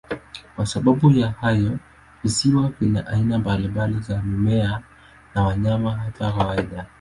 Kwa sababu ya hayo, visiwa vina aina mbalimbali za mimea na wanyama, hata kawaida.